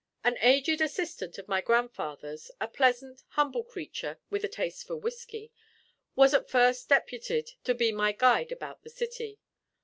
An aged assistant of my grandfather's, a pleasant, humble creature with a taste for whiskey, was at first deputed to be my guide about the city.